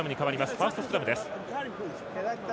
ファーストスクラムです。